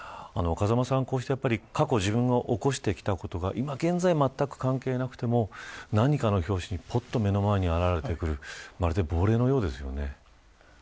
風間さん、こうして過去に自分が起こしてきたことが今現在、関係なくても何かの拍子に目の前に現れてくるまるで亡霊のようですよね。